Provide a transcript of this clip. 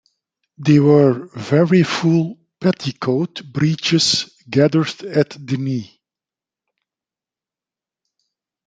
They were very full petticoat breeches gathered at the knee.